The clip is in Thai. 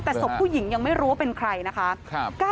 แต่ศพผู้หญิงยังไม่รู้ว่าเป็นใครนะคะ